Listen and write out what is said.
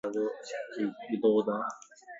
Trees use underground water during the dry seasons.